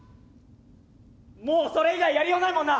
もうそれ以外やりようないもんな！